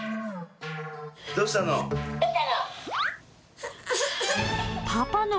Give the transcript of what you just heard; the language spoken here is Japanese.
どうしたの？